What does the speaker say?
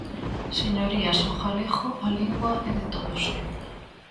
Señorías, o galego, a lingua, é de todos.